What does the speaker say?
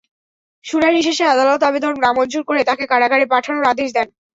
শুনানি শেষে আদালত আবেদন নামঞ্জুর করে তাঁকে কারাগারে পাঠানোর আদেশ দেন।